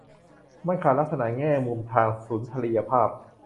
มันขาดลักษณะแง่มุมทางสุนทรียภาพ